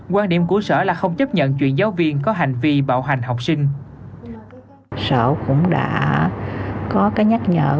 quan điểm của sở là không chấp nhận chuyện giáo viên có hành vi bạo hành học sinh